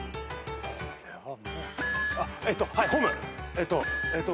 えっとえっと。